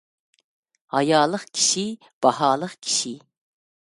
ھايالىق كىشى – باھالىق كىشى.